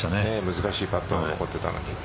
難しいパットが残ってたのに。